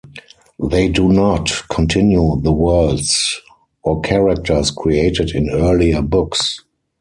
They do not continue the worlds or characters created in earlier books.